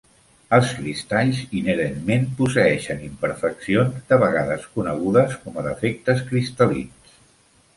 Els cristalls inherentment posseeixen imperfeccions, de vegades conegudes com a defectes cristal·lins.